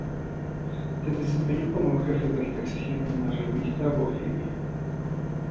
Se desempeñó como jefe de redacción de la revista "Bohemia".